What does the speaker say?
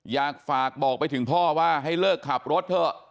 อยากฝากบอกไปถึงพ่อว่าให้เลิกขับรถเถอะ